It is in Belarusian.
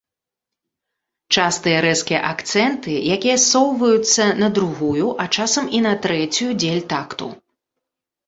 Частыя рэзкія акцэнты, якія ссоўваюцца на другую, а часам і на трэцюю дзель такту.